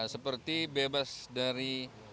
seperti bebas dari